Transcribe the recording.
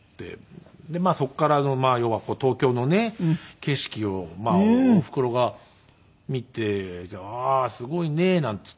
でまあそこから要は東京のね景色をおふくろが見て「ああーすごいね」なんていって。